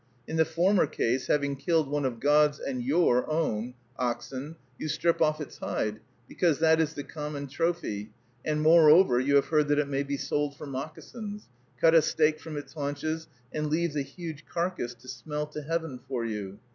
In the former case, having killed one of God's and your own oxen, you strip off its hide, because that is the common trophy, and, moreover, you have heard that it may be sold for moccasins, cut a steak from its haunches, and leave the huge carcass to smell to heaven for you.